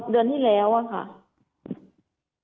เดือนที่แล้วอะค่ะ